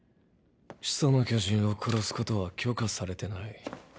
「始祖の巨人」を殺すことは許可されてない。